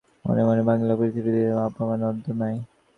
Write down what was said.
মনে মনে ভাবিল পৃথিবীতে গরিব হইয়া না জন্মিলেও দুঃখের এবং অপমানের অন্ত নাই।